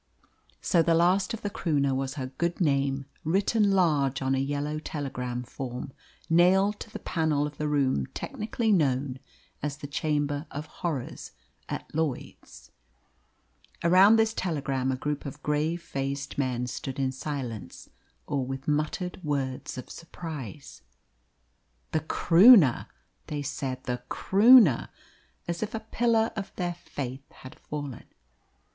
.. So the last of the Croonah was her good name written large on a yellow telegram form, nailed to the panel of the room technically known as the Chamber of Horrors at Lloyd's. Around this telegram a group of grave faced men stood in silence, or with muttered words of surprise. "The Croonah!" they said, "the Croonah!" as if a pillar of their faith had fallen.